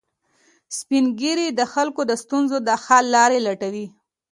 سپین ږیری د خلکو د ستونزو حل لارې لټوي